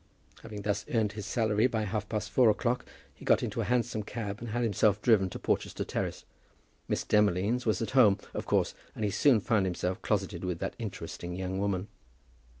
Having thus earned his salary by half past four o'clock he got into a hansom cab and had himself driven to Porchester Terrace. Miss Demolines was at home, of course, and he soon found himself closeted with that interesting young woman.